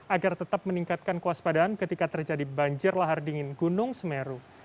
agar tetap meningkatkan kewaspadaan ketika terjadi banjir lahar dingin gunung semeru